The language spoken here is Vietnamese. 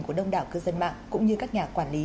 của đông đảo cư dân mạng cũng như các nhà quản lý